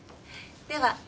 では。